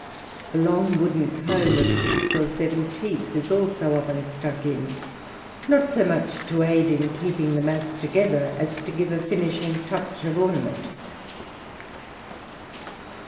A long wooden comb of six or seven teeth is also often stuck in, not so much to aid in keeping the mass together as to give a finishing touch of ornament."